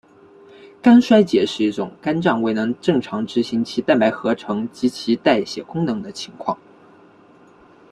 肝衰竭是一种肝脏未能正常执行其蛋白合成以及代谢功能的情况。